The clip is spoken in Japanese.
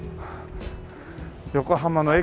横浜の駅。